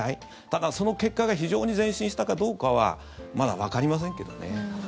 ただ、その結果が非常に前進したかどうかはまだわかりませんけどね。